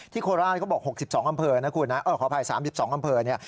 โคราชเขาบอก๖๒อำเภอนะคุณนะขออภัย๓๒อำเภอเนี่ย